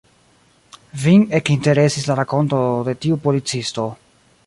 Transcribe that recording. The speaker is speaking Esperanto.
Vin ekinteresis la rakonto de tiu policisto.